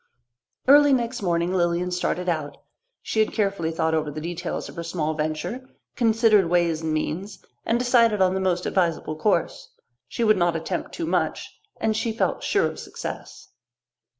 Early next morning Lilian started out. She had carefully thought over the details of her small venture, considered ways and means, and decided on the most advisable course. She would not attempt too much, and she felt sure of success.